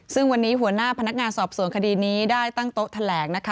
ซึ่งวันนี้หัวหน้าพนักงานสอบสวนคดีนี้ได้ตั้งโต๊ะแถลงนะคะ